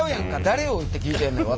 誰よって聞いてんのよ